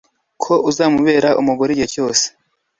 ko azamubera umugore igihe cyose